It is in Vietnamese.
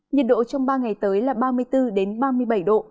nhiệt độ trong ba ngày tới là ba mươi bốn ba mươi bảy độ